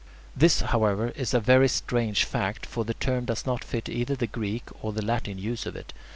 This, however, is a very strange fact, for the term does not fit either the Greek or the Latin use of it.